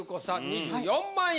２４万円。